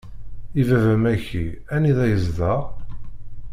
I baba-m-aki anida yezdeɣ?